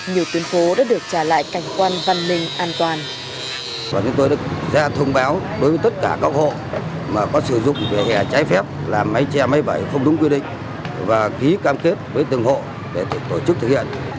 nhiều tuyến phố đã được trả lại cảnh quan văn minh an toàn